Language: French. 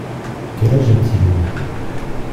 Quel âge a-t-il ?